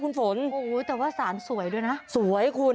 คุณฝนโอ้โหแต่ว่าสารสวยด้วยนะสวยคุณ